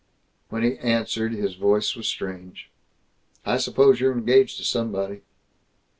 When he answered, his voice was strange: "I suppose you're engaged to somebody."